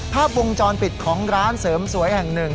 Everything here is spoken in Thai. ภาพวงจรปิดของร้านเสริมสวยแห่งหนึ่ง